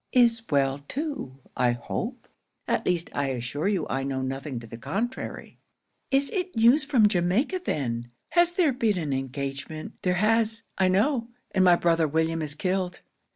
'"Is well too, I hope at least I assure you I know nothing to the contrary." '"Is it news from Jamaica then? Has there been an engagement. There has, I know, and my brother William is killed."